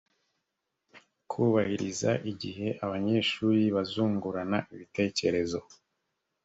kubahiriza igihe abanyeshuri bazungurana ibitekerezo